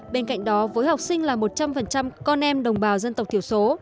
bên cạnh đó với học sinh là một trăm linh con em đồng bào dân tộc thiểu số